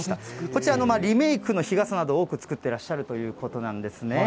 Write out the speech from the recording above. こちら、リメークの日傘など、多く作ってらっしゃるということなんですね。